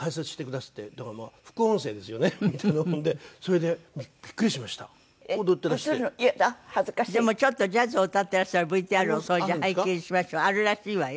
でもちょっとジャズを歌ってらっしゃるＶＴＲをそれじゃ拝見しましょうあるらしいわよ。